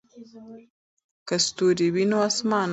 که ستوري وي نو اسمان نه تشیږي.